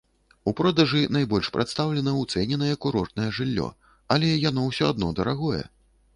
У продажы найбольш прадстаўлена ўцэненае курортнае жыллё, але яно ўсё адно дарагое.